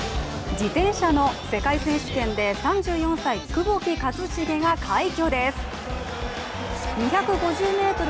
自転車の世界選手権で３４歳、窪木一茂が快挙です！